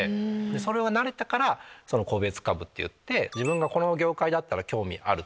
それに慣れてから個別株っていって自分がこの業界だったら興味あるとか。